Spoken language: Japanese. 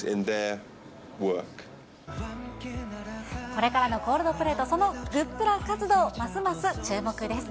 これからのコールドプレイとそのグップラ活動、ますます注目です。